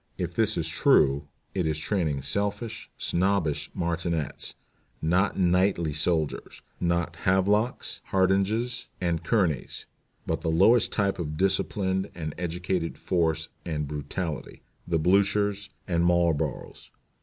If this be true, it is training selfish, snobbish martinets not knightly soldiers, not Havelocks, Hardinges, and Kearneys but the lowest type of disciplined and educated force and brutality the Bluchers and Marlboroughs.